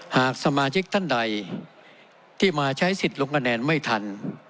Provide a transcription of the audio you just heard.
หากสมาชิกท่านใดที่มาใช้สิทธิ์ลงคะแนนไม่ทัน